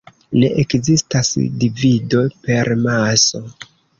Ne ekzistas divido per maso.